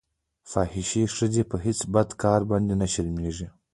فاحشې ښځې په هېڅ بد کار باندې نه شرمېږي.